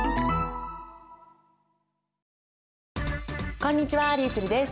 こんにちはりゅうちぇるです。